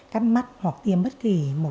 cắt mắt hoặc tiêm bất kỳ một